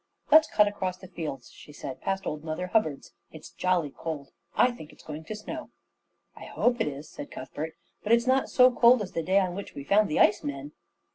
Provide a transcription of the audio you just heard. "Let's cut across the fields," she said, "past old Mother Hubbard's. It's jolly cold. I think it's going to snow." "I hope it is," said Cuthbert. "But it's not so cold as the day on which we found the ice men."